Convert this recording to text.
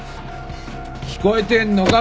聞こえてんのか？